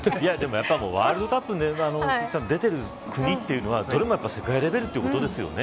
ワールドカップに出てる国というのはどこも世界レベルということですよね。